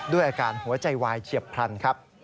ด้วยอาการหัวใจวายเฉียบพลันครับ